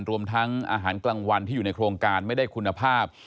รวมทั้งอาหารกลางวันที่อยู่ในโครงการไม่ได้คุณภาพ